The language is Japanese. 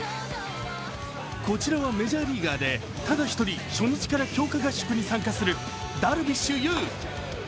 こちらはメジャーリーガーでただ一人、初日から強化合宿に参加するダルビッシュ有。